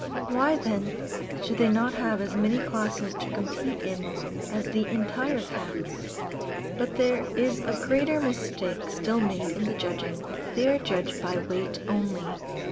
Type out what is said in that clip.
Why then should they not have as many classes to compete in as the "entire" cats? But there is a greater mistake still made in the judging. They are judged by weight only.